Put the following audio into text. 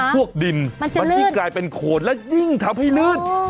พวกดินมันยิ่งกลายเป็นโคนและยิ่งทำให้ลื่น